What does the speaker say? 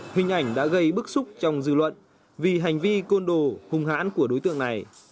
hình ảnh đã gây bức xúc trong dư luận vì hành vi côn đồ hung hãn của đối tượng này